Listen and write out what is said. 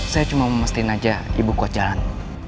saya cuma memastikan saja ibu kuat jalan